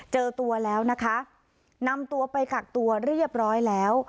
เจอตัวแล้วนะคะนำตัวไปกักตัวเรียบร้อยแล้ว